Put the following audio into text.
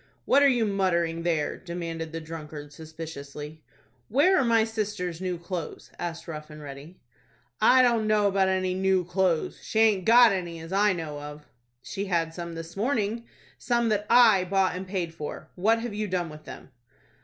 "What are you muttering there?" demanded the drunkard, suspiciously. "Where are my sister's new clothes?" asked Rough and Ready. "I don't know about any new clothes. She aint got any as I know of." "She had some this morning,—some that I bought and paid for. What have you done with them?"